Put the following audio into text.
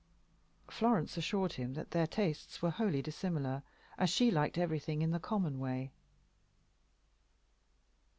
Florence assured him that their tastes were wholly dissimilar, as she liked everything in the common way.